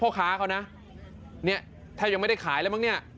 พ่อค้าเขานะเนี่ยแทบยังไม่ได้ขายแล้วมั้งเนี่ย